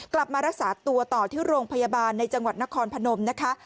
กลับมารักษาตัวต่อที่โรงพยาบาลในจังหวัดนครพนมนะคะ